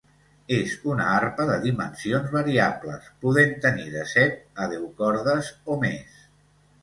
És una arpa de dimensions variables, podent tenir de set a deu cordes o més.